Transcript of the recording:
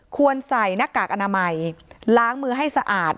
ควรใส่หน้ากากอนามัยล้างมือให้สะอาด